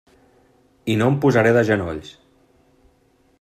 I no em posaré de genolls.